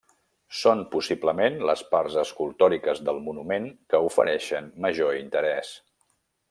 Són, possiblement, les parts escultòriques del monument que ofereixen major interès.